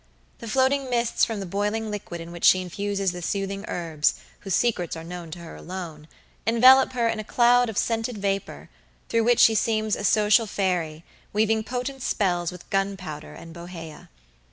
The floating mists from the boiling liquid in which she infuses the soothing herbs; whose secrets are known to her alone, envelope her in a cloud of scented vapor, through which she seems a social fairy, weaving potent spells with Gunpowder and Bohea.